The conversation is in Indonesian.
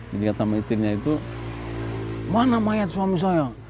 dijegat sama istrinya itu mana mayat suami saya